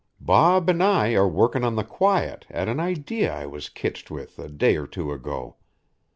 "Bob an' I are workin' on the quiet at an idee I was kitched with a day or two ago.